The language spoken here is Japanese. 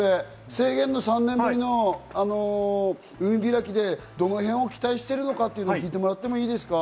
制限のない３年ぶりの海開き、どの辺に期待してるか聞いてもらっていいですか？